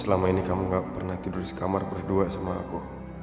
selama ini kamu gak pernah tidur di kamar berdua sama aku